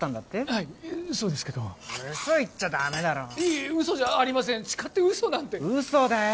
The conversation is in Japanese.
はいそうですけど嘘言っちゃダメだろいえ嘘じゃありません誓って嘘なんて嘘だよ